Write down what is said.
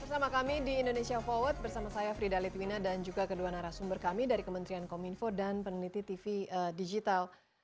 bersama kami di indonesia forward bersama saya frida litwina dan juga kedua narasumber kami dari kementerian kominfo dan peneliti tv digital